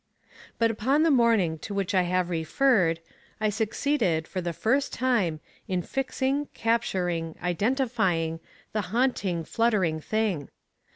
"'But upon the morning to which I have referred, I succeeded, for the first time, in fixing, capturing, identifying the haunting, fluttering thing.